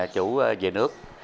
chủ về nước